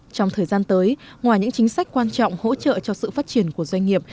trong thời gian tới ngoài những chính sách quan trọng hỗ trợ cho sự phát triển của doanh nghiệp